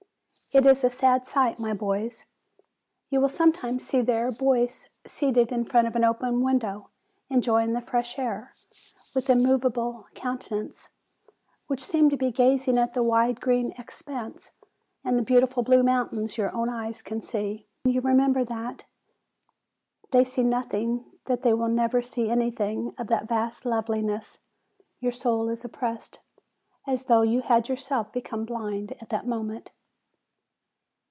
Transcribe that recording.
It is a sad sight, my boys. You will sometimes see there boys seated in front of an open window, enjoying the fresh air, with immovable countenances, which seem to be gazing at the wide green expanse and the beautiful blue mountains your own eyes can see. But when you remember that they see nothing that they will never see anything of that vast loveliness, your soul is oppressed, as though you had yourselves become blind at that moment.